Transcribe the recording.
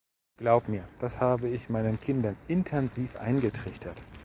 Glaub mir, das habe ich meinen Kindern intensiv eingetrichtert.